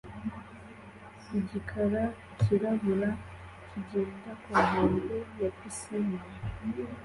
Igikara cyirabura kigenda ku nkombe ya pisine